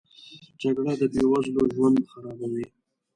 جګړه د بې وزلو ژوند خرابوي